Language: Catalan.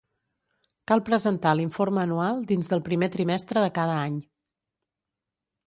Cal presentar l'informe anual dins del primer trimestre de cada any.